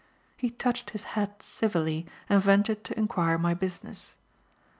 He touched his hat civilly and ventured to enquire my business.